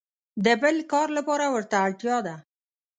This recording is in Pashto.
د بل کار لپاره ورته اړتیا ده.